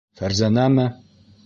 Фәрзәнәме?